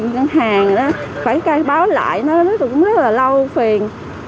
ngân hàng phải cây báo lại nó cũng rất là lâu phiền